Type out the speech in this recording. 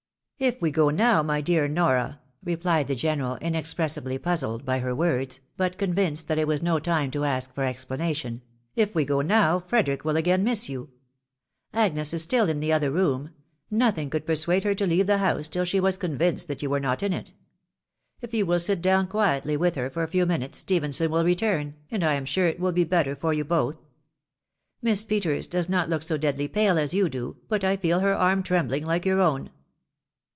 " If we go now, my dear Nora," replied the general, inex pressibly puzzled by her words, but convinced that it was no time to adi for explanation, " if we go now, Frederic will again miss you, Agnes is stiU in the other room — ^nothing could per suade her to leave the house till she was convinced that you were not in it. If you wiU sit down quietly with her a few minutes, Stephenson will return, and I am sure it wiU be better for you both. Miss Peters does not look so deadly pale as you do, but I feel her arm trembhng Hke your own."